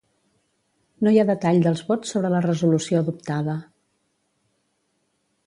No hi ha detall dels vots sobre la resolució adoptada.